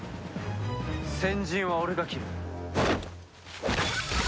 先陣は俺が切る。